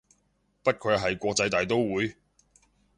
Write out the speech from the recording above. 不愧係國際大刀會